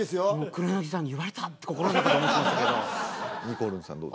黒柳さんに言われた！って心の中で思ってましたけどにこるんさんどう？